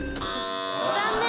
残念。